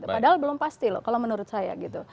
padahal belum pasti loh kalau menurut saya gitu